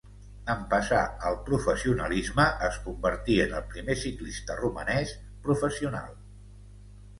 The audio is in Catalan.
En passar al professionalisme es convertí en el primer ciclista romanès professional.